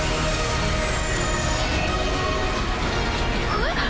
えっ？